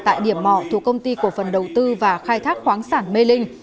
tại điểm mỏ thuộc công ty cổ phần đầu tư và khai thác khoáng sản mê linh